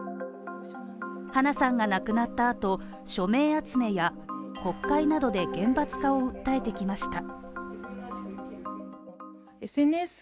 花さんが亡くなったあと署名集めや国会などで厳罰化を訴えてきました。